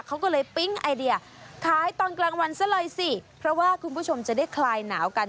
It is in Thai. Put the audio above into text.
เขาก็เลยปิ๊งไอเดียขายตอนกลางวันซะเลยสิเพราะว่าคุณผู้ชมจะได้คลายหนาวกัน